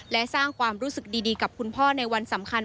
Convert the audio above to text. และสร้างความรู้สึกดีกับคุณพ่อในวันสำคัญ